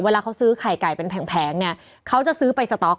เวลาเขาซื้อไข่ไก่เป็นแผงเนี่ยเขาจะซื้อไปสต๊อก